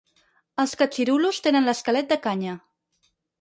Els catxirulos tenen l'esquelet de canya.